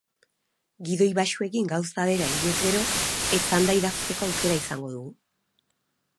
Gidoi baxuekin gauza bera eginez gero, etzanda idazteko aukera izango dugu.